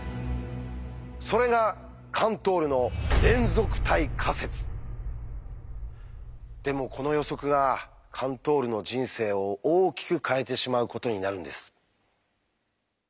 それがカントールのでもこの予測がカントールの人生を大きく変えてしまうことになるんです。